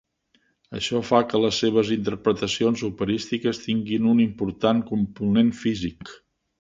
Això fa que les seves interpretacions operístiques tinguin un important component físic.